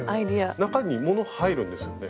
中にもの入るんですよね？